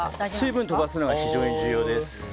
水分を飛ばすのが非常に重要です。